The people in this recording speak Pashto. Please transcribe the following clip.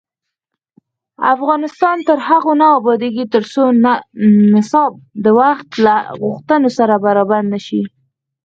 افغانستان تر هغو نه ابادیږي، ترڅو نصاب د وخت له غوښتنو سره برابر نشي.